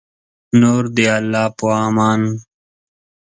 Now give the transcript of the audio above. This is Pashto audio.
نور د الله په امان